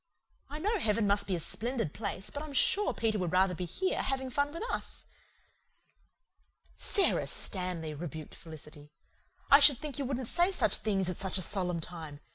I know heaven must be a splendid place, but I'm sure Peter would rather be here, having fun with us." "Sara Stanley," rebuked Felicity. "I should think you wouldn't say such things at such a solemn time.